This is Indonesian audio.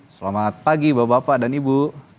selamat pagi bapak bapak dan ibu